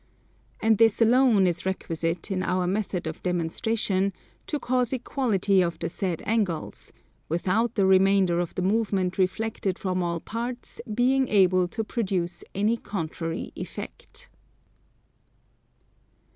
And this alone is requisite, in our method of demonstration, to cause equality of the said angles without the remainder of the movement reflected from all parts being able to produce any contrary effect.